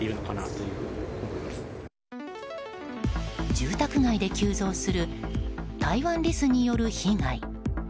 住宅街で急増するタイワンリスによる被害。